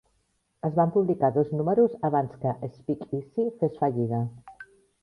Es van publicar dos números abans que Speakeasy fes fallida.